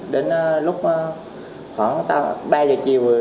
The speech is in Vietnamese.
đến lúc khoảng ba giờ chiều